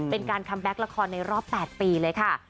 เป็นการคัมแบ็คละครในรอบ๘ปีเลยค่ะ